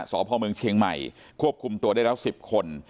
สพเมืองเชียงใหม่ควบคุมตัวได้แล้ว๑๐คน